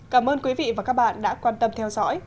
cảm ơn quý vị và các bạn đã quan tâm theo dõi